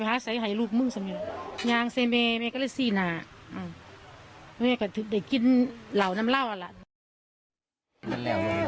แล้วลูกลูกศิษย์เสียเสียเค้าก็ไม่าเห็นหาย